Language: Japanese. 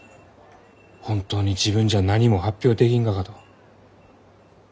本当に自分じゃ何も発表できんがかと。